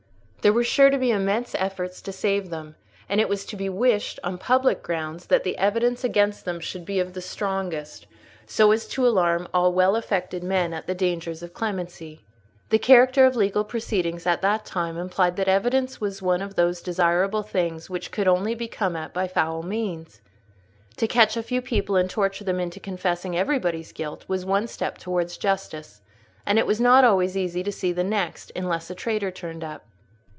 There were sure to be immense efforts to save them; and it was to be wished (on public grounds) that the evidence against them should be of the strongest, so as to alarm all well affected men at the dangers of clemency. The character of legal proceedings at that time implied that evidence was one of those desirable things which could only be come at by foul means. To catch a few people and torture them into confessing everybody's guilt was one step towards justice; and it was not always easy to see the next, unless a traitor turned up.